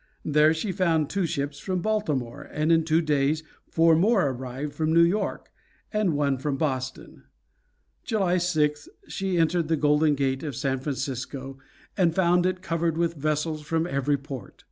There she found two ships from Baltimore, and in two days four more arrived from New York, and one from Boston. July 6th she entered the Golden Gate of San Francisco, and found it crowded with vessels from every port.